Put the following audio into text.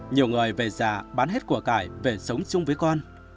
nhiều người về già bán hết của cải về sống chung với con